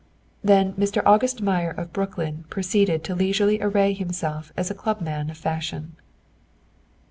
Then Mr. August Meyer of Brooklyn proceeded to leisurely array himself as a clubman of fashion.